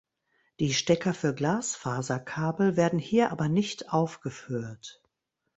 Die Stecker für Glasfaserkabel werden hier aber nicht aufgeführt.